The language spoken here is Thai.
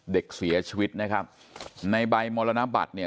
เด็กเสียชีวิตนะครับในใบมรณบัตรเนี่ย